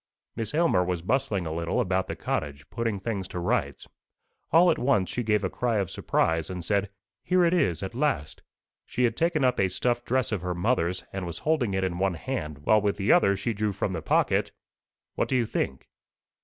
"Miss Aylmer was bustling a little about the cottage, putting things to rights. All at once she gave a cry of surprise, and said, 'Here it is, at last!' She had taken up a stuff dress of her mother's, and was holding it in one hand, while with the other she drew from the pocket what do you think?"